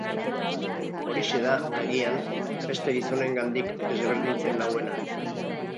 Horixe da, agian, beste gizonengandik desberdintzen nauena.